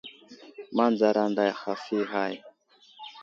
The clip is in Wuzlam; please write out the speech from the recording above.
Manzar aday haf i ghay.